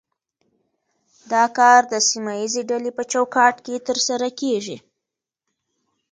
دا کار د سیمه ایزې ډلې په چوکاټ کې ترسره کیږي